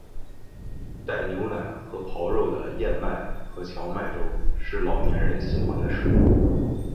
带牛奶和狍肉的燕麦和荞麦粥是老年人喜欢的食物。